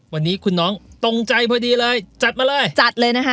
วันนี้คุณน้องตรงใจพอดีเลยจัดมาเลยจัดเลยนะคะ